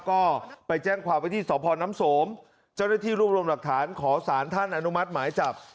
ก็ไปแจ้งความไว้ที่สพน้ำสมเจ้าหน้าที่รวบรวมหลักฐานขอสารท่านอนุมัติหมายจับ